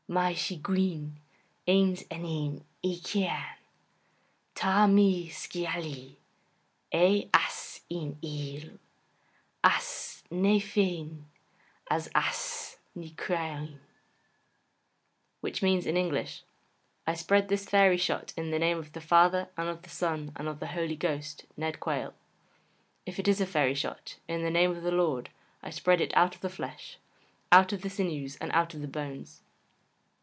My she guin, ayns ennym y Chiarn, ta mee skealley eh ass yn eill, ass ny fehyn, as ass ny craueyn,' which means in English I spread this fairy shot in the name of the Father, and of the Son, and of the Holy Ghost, Ned Quayle. If it is a fairy shot, in the name of the Lord, I spread it out of the flesh, out of the sinews, and out of the bones.